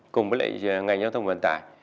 cùng với lại ngành giao thông vận tải